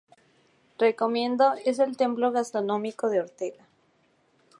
ReComiendo es el templo gastronómico de Ortega.